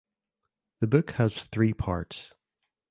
The book has three parts.